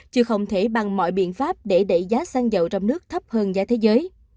chứ không thể bằng mọi biện pháp để đẩy giá xăng dầu trong nước thấp hơn giá thế giới